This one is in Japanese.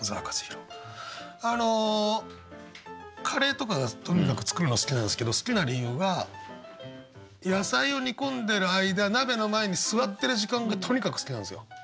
カレーとかがとにかく作るのが好きなんですけど好きな理由が野菜を煮込んでる間鍋の前に座ってる時間がとにかく好きなんですよ。